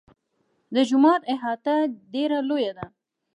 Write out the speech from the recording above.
د جومات احاطه ډېره لویه ده.